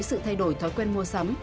sự thay đổi thói quen mua sắm